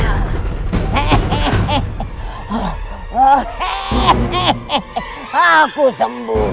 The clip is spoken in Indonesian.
suka mana kerjaan busuk